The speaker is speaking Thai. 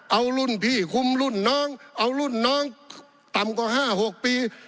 เอารุ่นพี่คุมรุ่นน้องเอารุ่นน้องต่ำกว่า๕๖ปี